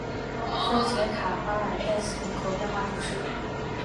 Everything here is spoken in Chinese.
丰捷卡巴尔代斯人口变化图示